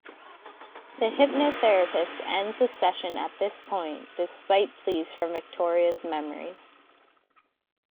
The hypnotherapist ends the session at this point, despite pleas from Victoria's memories.